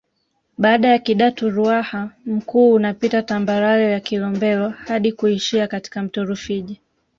Baada ya Kidatu Ruaha Mkuu unapita tambarare ya Kilombero hadi kuishia katika mto Rufiji